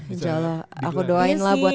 insya allah aku doain lah buat